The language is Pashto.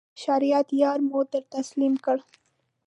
شریعت یار مو در تسلیم کړ.